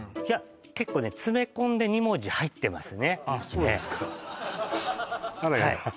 いや結構ね詰め込んで２文字入ってますねあっ